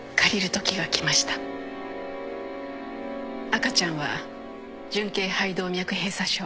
赤ちゃんは純型肺動脈閉鎖症。